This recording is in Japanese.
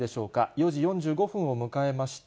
４時４５分を迎えました。